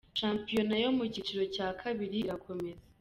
Shampiyona yo mu cyiciro cya kabiri irakomeza